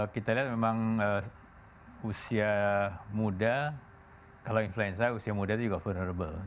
kita lihat memang usia muda kalau influenza usia muda itu juga vulnerable